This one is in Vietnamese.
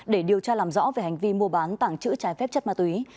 để điều tra làm rõ về hành vi mua bán tảng chữ trái phép chất ma túy